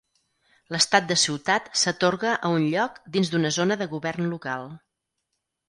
L'estat de ciutat s'atorga a un lloc dins d'una zona de govern local.